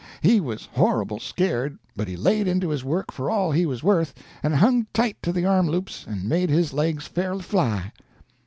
He was horrible scared, but he laid into his work for all he was worth, and hung tight to the arm loops and made his legs fairly fly.